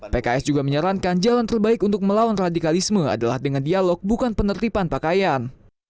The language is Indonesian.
pks juga menyarankan jalan terbaik untuk melawan radikalisme adalah dengan dialog bukan penertiban pakaian